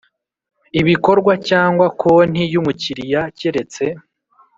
ibikorwa cyangwa konti y umukiriya keretse